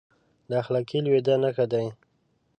د اخلاقي لوېدا نښه دی.